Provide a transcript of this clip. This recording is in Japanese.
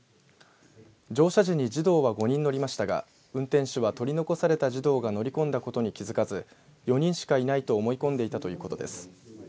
乗車時に児童は５人乗りましたが運転手は取り残された児童が乗り込んだことに気付かず４人しかいないと思い込んでいたということです。